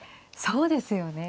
そうですよね。